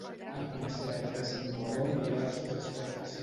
El concert és innovador en diversos aspectes.